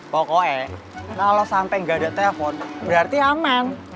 pokoknya kalo sampe ga ada telepon berarti aman